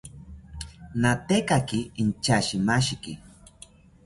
Natekaki inchashimashiki